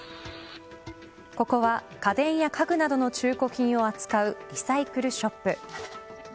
ここは家電や家具などの中古品を扱うリサイクルショップ。